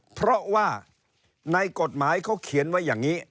เพราะว่าในกฎหมายเขาเขียนไว้อย่างนี้